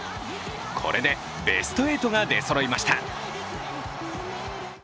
これでベスト８が出そろいました。